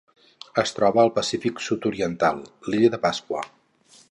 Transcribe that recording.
Es troba al Pacífic sud-oriental: l'illa de Pasqua.